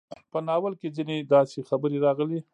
په ناول کې ځينې داسې خبرې راغلې